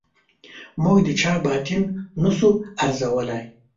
موږ د چا باطن نه شو ارزولای.